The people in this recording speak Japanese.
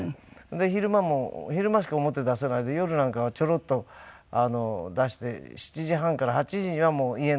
で昼間も昼間しか表出せないんで夜なんかはちょろっと出して７時半から８時にはもう家の中入れてましたからね。